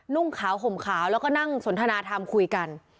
นุ่งขาวห่มขาวแล้วก็นั่งสนทนาธรรมคุยกัน